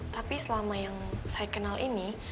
tapi selama yang saya kenal ini